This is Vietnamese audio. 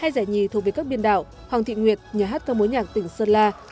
hai giải nhì thuộc về các biên đạo hoàng thị nguyệt nhà hát ca mối nhạc tỉnh sơn la